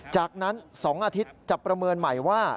จากนั้น๒อาทิตย์จะประเมินใหม่ว่า